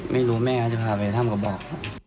ไม่รู้แม่เขาจะพาไปถ้ำกระบอก